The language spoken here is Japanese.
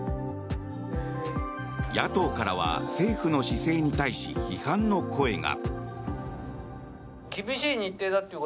野党からは政府の姿勢に対し批判の声が。